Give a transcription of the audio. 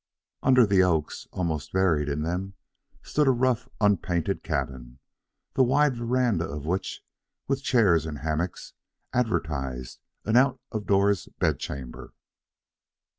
Under the oaks, almost buried in them, stood a rough, unpainted cabin, the wide verandah of which, with chairs and hammocks, advertised an out of doors bedchamber.